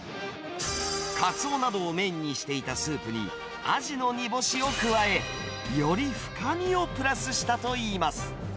カツオなどをメインにしていたスープに、アジの煮干しを加え、より深みをプラスしたといいます。